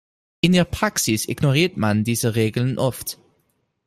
In der Praxis ignoriert man diese Regeln oft.